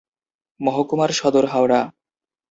মহকুমার সদর হাওড়া।